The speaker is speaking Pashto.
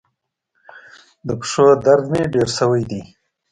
د پښو درد مي ډیر سوی دی.